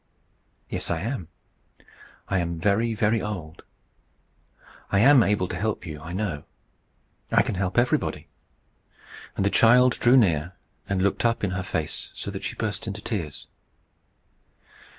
"Yes, I am. I am very, very old. I am able to help you, I know. I can help everybody." And the child drew near and looked up in her face so that she burst into tears.